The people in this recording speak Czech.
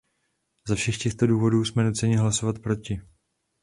Ze všech těchto důvodů jsme nuceni hlasovat proti.